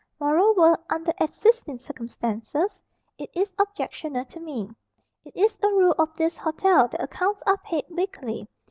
Moreover, under existing circumstances, it is objectionable to me. It is a rule of this hotel that accounts are paid weekly.